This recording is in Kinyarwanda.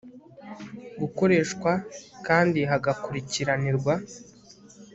gukoreshwa kandi hagakurikiranirwa